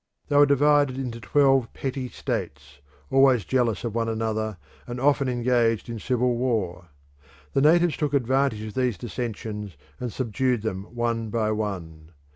They were divided into twelve petty states, always jealous of one another and often engaged in civil war. The natives took advantage of these dissensions, and subdued them one by one.